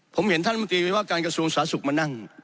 ผมเห็นท่านมนตรีวิว่าการกระทรวงสาธารณสุขมานั่ง